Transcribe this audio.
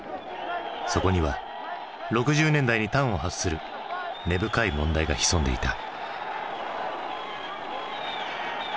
そこには６０年代に端を発する根深い問題が潜んでいた。